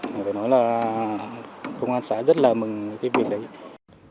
các bà con đã tạo điều kiện về mặt bằng đất cho công an xã xây dựng quy mô đẹp và nhất là được sự ủng hộ của bà con